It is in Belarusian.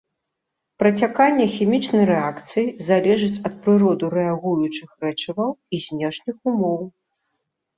Працяканне хімічнай рэакцыі залежыць ад прыроды рэагуючых рэчываў і знешніх умоў.